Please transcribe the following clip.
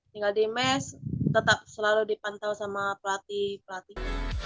tinggal di mes tetap selalu dipantau sama pelatih pelatih